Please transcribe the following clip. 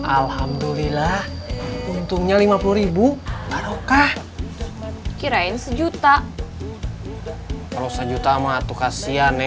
alhamdulillah untungnya lima puluh barokah kirain sejuta kalau sejuta matuh kasihan